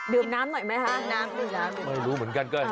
ยึมน้ำหน่อยมั้ยครับครับยึมน้ำยึมน้ำน้ำไม่รู้เหมือนกัน